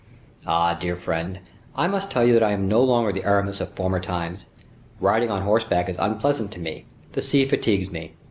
"Ah, dear friend, I must tell you that I am no longer the Aramis of former times. Riding on horseback is unpleasant to me; the sea fatigues me.